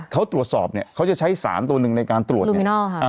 เขาตรวจสอบเนี่ยเขาจะใช้สารตัวหนึ่งในการตรวจ